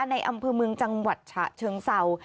อำเภอเมืองจังหวัดฉะเชิงเศร้า